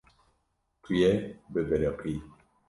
Tu yê bibiriqî.